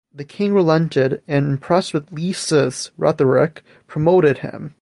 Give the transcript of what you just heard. The king relented and, impressed with Li Si's rhetoric, promoted him.